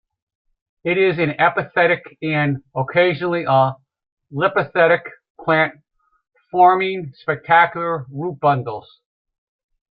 It is an epiphytic and occasionally a lithophytic plant, forming spectacular root bundles.